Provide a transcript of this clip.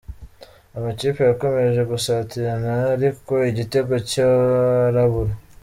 Amakipe yakomeje gusatirana, ariko igitego cyorabura.